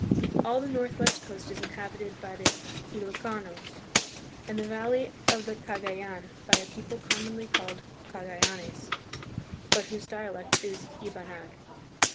All the northwest coast is inhabited by the Ilokanos, and the valley of the Cagayan by a people commonly called Caga yanes, but whose dialect is Ibanag.